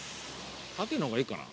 縦の方がいいかな？